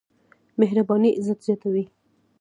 مهرباني عزت زياتوي.